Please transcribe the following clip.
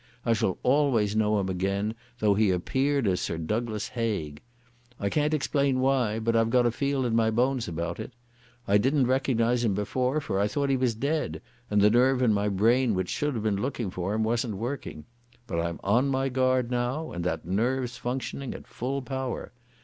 I shall always know him again, though he appeared as Sir Douglas Haig. I can't explain why, but I've got a feel in my bones about it. I didn't recognise him before, for I thought he was dead, and the nerve in my brain which should have been looking for him wasn't working. But I'm on my guard now, and that nerve's functioning at full power.